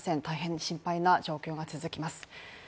大変に心配な状況が続きます。